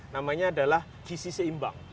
namanya adalah gizi seimbang